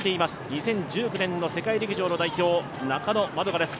２０１９年の世界陸上の代表、中野円花です。